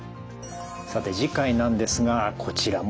さて次回なんですがこちらもですね